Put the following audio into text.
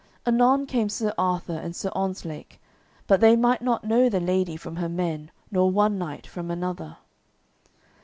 Anon came Sir Arthur and Sir Ontzlake, but they might not know the lady from her men, nor one knight from another.